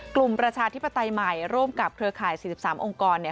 ประชาธิปไตยใหม่ร่วมกับเครือข่าย๔๓องค์กรเนี่ย